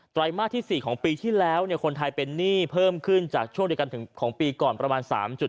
ไรมาสที่๔ของปีที่แล้วคนไทยเป็นหนี้เพิ่มขึ้นจากช่วงเดียวกันถึงของปีก่อนประมาณ๓๗